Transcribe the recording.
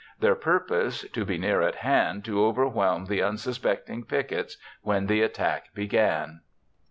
Their purpose: to be near at hand to overwhelm the unsuspecting pickets when the attack began.